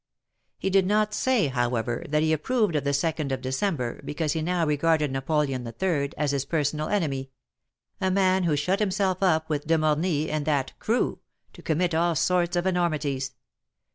He did not say, however, that he approved of the Second of December, because he now regarded Napoleon III. as his personal enemy — a man who shut himself up with De Morny and that crew," to commit all sorts of enormities.